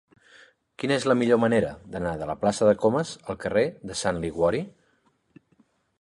Quina és la millor manera d'anar de la plaça de Comas al carrer de Sant Liguori?